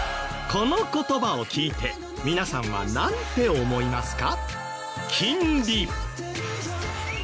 この言葉を聞いて皆さんはなんて思いますか？